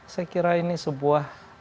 saya kira ini sebuah